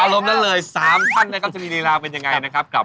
อารมณ์นั่นเลย๓ขั้นแล้วก็จะมีรีราวเป็นอย่างไรนะครับ